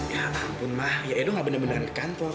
ya ampun ma ya edo gak bener beneran ke kantor